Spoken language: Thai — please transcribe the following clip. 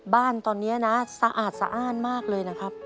บ้านตอนนี้นะสะอาดสะอ้านมากเลยนะครับ